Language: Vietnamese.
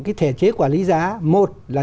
cái thể chế quản lý giá một là